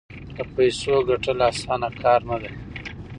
د پیسو ګټل اسانه کار نه دی.